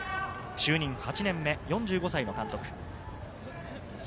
就任８年目、４５歳です。